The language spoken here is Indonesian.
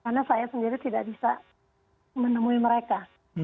karena saya sendiri tidak bisa menemui mereka